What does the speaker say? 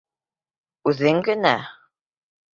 Үҙең генә?